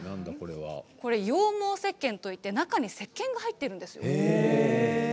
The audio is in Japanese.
羊毛せっけんといって中に、せっけんが入っているんですよ。